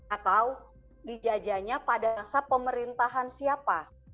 atau dijajahnya pada masa pemerintahan siapa